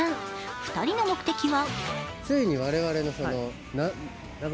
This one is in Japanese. ２人の目的は？